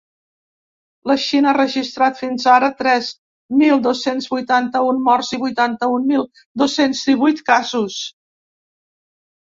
La Xina ha registrat fins ara tres mil dos-cents vuitanta-un morts i vuitanta-un mil dos-cents divuit casos.